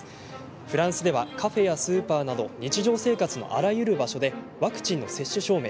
フランスではカフェやスーパーなど日常生活のあらゆる場所でワクチンの接種証明